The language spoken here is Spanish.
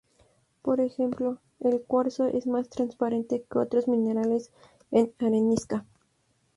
Por ejemplo, el cuarzo es más transparente que otros minerales en areniscas.